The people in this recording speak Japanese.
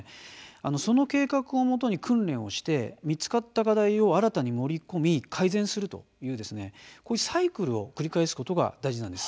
その計画を基に訓練をして見つかった課題を新たに盛り込み改善するというサイクルを繰り返すことが大事なんです。